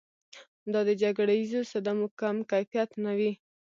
دا د جګړیزو صدمو کم کیفیت نه وي.